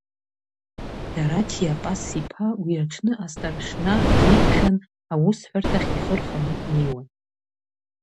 Дараҭиа Пас-иԥа уи аҽны астаршна диԥхьан аусҳәарҭахь ихы рханы днеиуан.